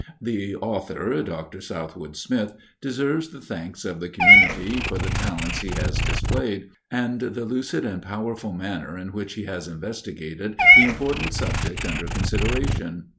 The author (Dr. SOUTHWOOD SMITH) deserves the thanks of the community for the talents he has displayed, and the lucid and powerful manner in which he has investigated the important subject under consideration.